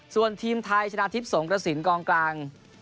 ส่วนทีมไทยชนะทิพย์สงกระสินกองกลาง